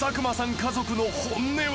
家族の本音は？